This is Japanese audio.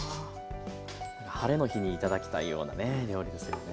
ハレの日に頂きたいようなね料理ですよね。